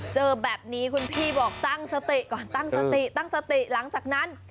เจอแบบนี้คุณพี่บอกตั้งสติก่อนตั้งสติตั้งสติหลังจากนั้น